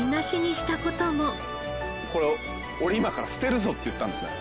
「これ俺今から捨てるぞ」って言ったんですね。